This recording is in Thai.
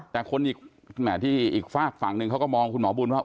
แต่คนที่อีกฟากฝั่งนึงเขาก็มองคุณหมอบูลว่า